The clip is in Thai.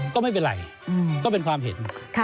ก็ไม่เป็นไรก็เป็นความเห็น